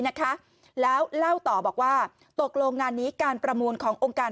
นะคะแล้วเล่าต่อบอกว่าตกลงงานนี้การประมูลขององค์การ